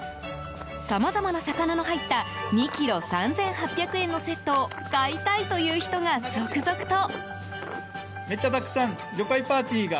さまざまな魚の入った２ｋｇ３８００円のセットを買いたいという人が続々と。